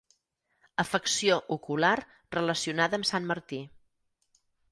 Afecció ocular relacionada amb sant Martí.